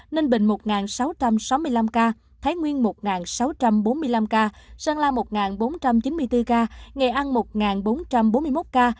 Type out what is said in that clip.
ninh bình một sáu trăm sáu mươi năm ca thái nguyên một sáu trăm bốn mươi năm ca sơn la một bốn trăm chín mươi bốn ca nghệ an một bốn trăm bốn mươi một ca